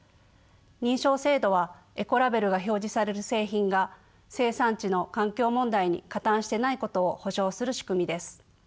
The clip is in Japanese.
認証制度はエコラベルが表示される製品が生産地の環境問題に加担していないことを保証する仕組みです。